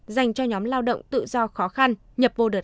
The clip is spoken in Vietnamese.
dành cho nhóm lao động tự do khó khăn nhập vô đợt hai